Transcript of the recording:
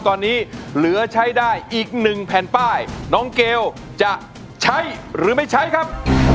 ตอนนี้เหลือใช้ได้อีกหนึ่งแผ่นป้ายน้องเกลจะใช้หรือไม่ใช้ครับ